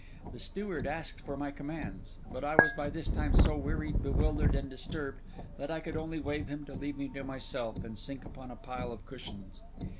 The steward asked for my commands; but I was by this time so wearied, bewildered, and disturbed, that I could only wave him to leave me to myself, and sink upon a pile of cushions.